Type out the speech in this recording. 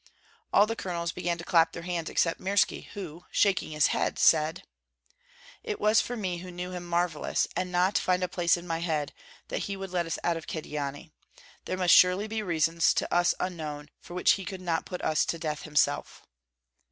All the colonels began to clap their hands, except Mirski, who, shaking his head, said, "It was for me who knew him marvellous, and not find a place in my head, that he would let us out of Kyedani. There must surely be reasons to us unknown, for which he could not put us to death himself."